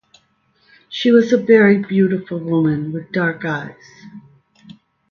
She was a very beautiful woman with dark brown eyes.